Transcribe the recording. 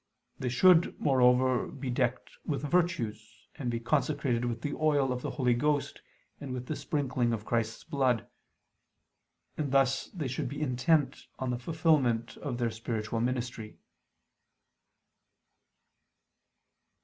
They should, moreover, be decked with virtues, and be consecrated with the oil of the Holy Ghost, and with the sprinkling of Christ's blood. And thus they should be intent on the fulfilment of their spiritual ministry.